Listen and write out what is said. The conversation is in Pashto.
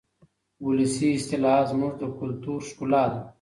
ولسي اصطلاحات زموږ د کلتور ښکلا ده.